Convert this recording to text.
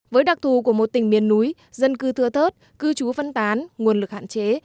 với đặc thù của một tỉnh miền núi dân cư thưa thớt cư trú phân tán nguồn lực hạn chế